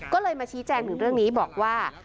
ก็เลยมาชี้แจงถึงเรื่องนี้บอกว่า